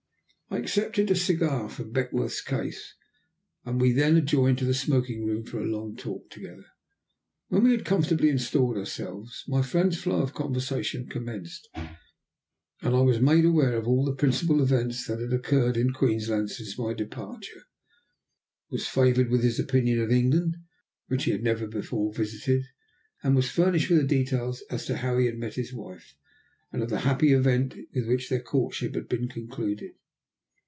I accepted a cigar from Beckworth's case, and we then adjourned to the smoking room for a long talk together. When we had comfortably installed ourselves, my friend's flow of conversation commenced, and I was made aware of all the principal events that had occurred in Queensland since my departure, was favoured with his opinion of England, which he had never before visited, and was furnished with the details as to how he had met his wife, and of the happy event with which their courtship had been concluded.